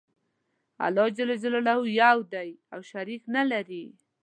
الله ج یو دی او شریک نلری.